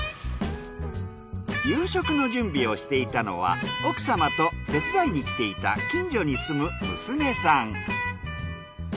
夕食の準備をしていたのは奥様と手伝いに来ていた近所に住む娘さん。